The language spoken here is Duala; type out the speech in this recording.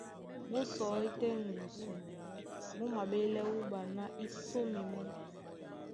Mú sɔí tɛ́ ŋgusu, mú maɓélɛ́ wúɓa ná í sóme mɔ́.